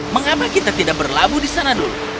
mengapa kita tidak berlabuh di sana dulu